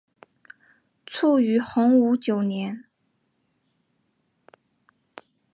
卒于洪武九年。